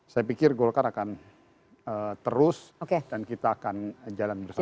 saya pikir golkar akan terus dan kita akan jalan bersama